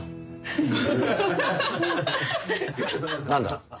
何だ？